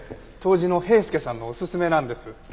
杜氏の平助さんのおすすめなんです。